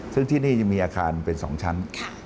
ซึ่งที่นี่จะมีอาคารเป็น๒ชั้น